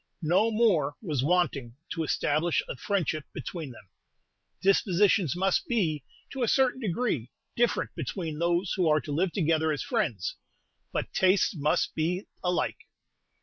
No more was wanting to establish a friendship between them. Dispositions must be, to a certain degree, different between those who are to live together as friends, but tastes must be alike.